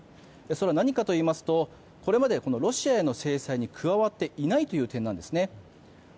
それは何かというとこれまでロシアへの制裁に加わっていないという点ですね。